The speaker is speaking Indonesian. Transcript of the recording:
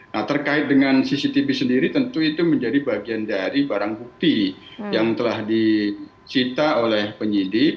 nah terkait dengan cctv sendiri tentu itu menjadi bagian dari barang bukti yang telah disita oleh penyidik